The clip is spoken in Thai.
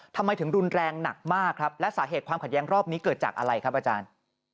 ทำไมถึงรุนแรงหนักมากครับและสาเหตุความขัดแย้งรอบนี้เกิดจากอะไรครับอาจารย์